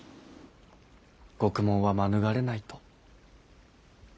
獄門は免れないと。